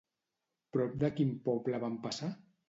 Prop de quin poble van passar?